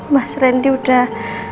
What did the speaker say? mas randy udah